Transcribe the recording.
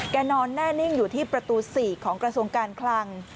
นอนแน่นิ่งอยู่ที่ประตู๔ของกระทรวงการคลัง